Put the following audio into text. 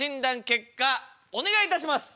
結果お願いいたします！